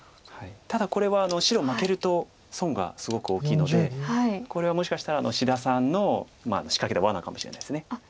ただこれは白負けると損がすごく大きいのでこれはもしかしたら志田さんの仕掛けたわなかもしれないです。